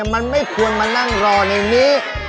มันไม่ควรมานั่งรอในนี้